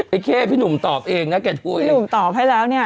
เข้พี่หนุ่มตอบเองนะแกคุยพี่หนุ่มตอบให้แล้วเนี่ย